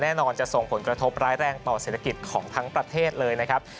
แน่นอนจะส่งผลกระทบร้ายแรงต่อเศรษฐกิจของทั้งประเทศเลยนะครับ